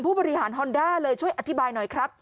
ผู้บริหารฮอนด้าเลยช่วยอธิบายหน่อยครับ